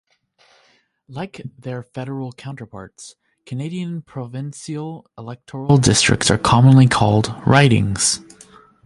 Like their federal counterparts, Canadian provincial electoral districts are commonly called ridings.